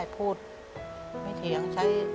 พูดไม่เถียง